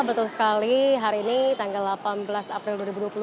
betul sekali hari ini tanggal delapan belas april dua ribu dua puluh tiga